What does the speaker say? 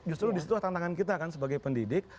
justru disitulah tantangan kita kan sebagai pendidik